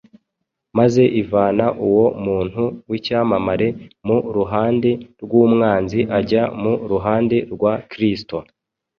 maze ivana uwo muntu w’icyamamare mu ruhande rw’umwanzi ajya mu ruhande rwa Kristo.